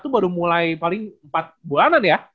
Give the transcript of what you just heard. itu baru mulai paling empat bulanan ya